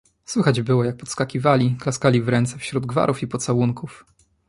Słychać było, jak podskakiwali, klaskali w ręce, wśród gwarów i pocałunków.